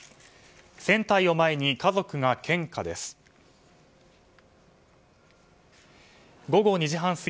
船体を前に家族が献花です。